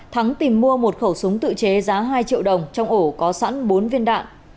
thắng tìm mua một khẩu súng tự chế giá hai triệu đồng trong ổ có sẵn bốn viên đạn